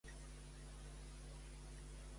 Per quin motiu el rei Licurg la va penar amb la mort?